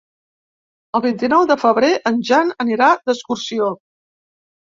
El vint-i-nou de febrer en Jan anirà d'excursió.